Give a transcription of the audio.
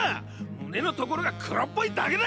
胸の所が黒っぽいだけだ！